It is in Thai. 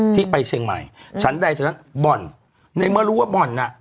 ที่ไปเชียงใหม่ชั้นใดชั้นนั้นบ่อนในเมื่อรู้ว่าบ่อนน่ะ